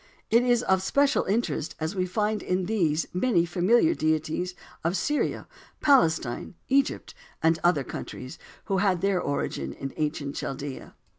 It is of special interest as we find in these many familiar deities of Syria, Palestine, Egypt and other countries, who had their origin in ancient Chaldea.